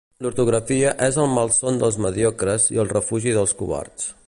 L'ortografia és el malson dels mediocres i el refugi dels covards.